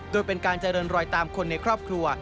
โดยเป็นการเจริญรอยตามคนในครอบครัว